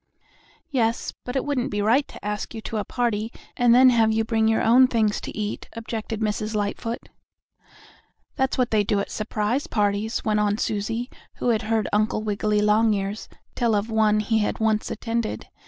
"Yes, but it wouldn't be right to ask you to a party and then have you bring your own things to eat," objected Mrs. Lightfoot. "That's what they do at surprise parties," went on Susie, who had heard Uncle Wiggily Longears tell of one he once attended.